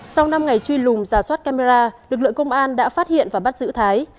sau năm ngày truy lùng giả soát camera lực lượng công an đã phát hiện và bắt giữ thái